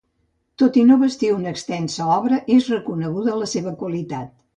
Tot i no bastir una extensa obra, és reconeguda la seva qualitat.